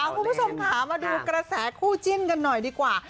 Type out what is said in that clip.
คุณผู้ชมค่ะมาดูกระแสคู่จิ้นกันหน่อยดีกว่า